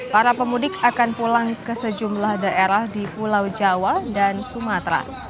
para pemudik akan pulang ke sejumlah daerah di pulau jawa dan sumatera